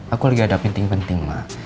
aku lagi ada penting penting lah